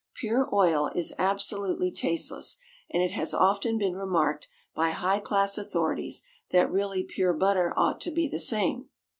Pure oil is absolutely tasteless, and it has often been remarked by high class authorities that really pure butter ought to be the same.